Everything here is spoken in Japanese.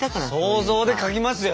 想像で描きますよ